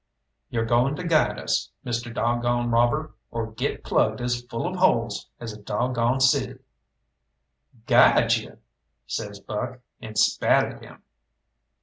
"You're going to guide us, Mr. dog goned Robber, or get plugged as full of holes as a dog goned sieve." "Guide you?" says Buck, and spat at him.